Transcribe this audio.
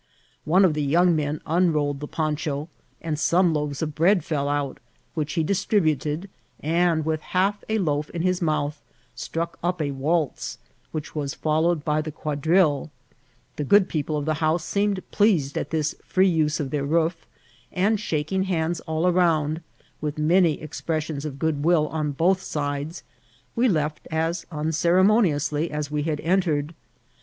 One of the young men unrolled the poncha, and some loaves of bread fell out, which he distributed, and with half a loaf in his mouth struck up a waltz, which was followed by a quadrille ; the good people of the house seemed pleas* ed at this free use of their roof, and shaking hands all around, with many expressions of good will on both sides, we left as unceremoniously as we had entered.